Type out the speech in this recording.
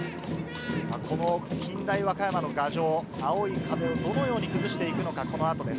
近大和歌山の牙城、青い壁をどのように崩していくのか、この後です。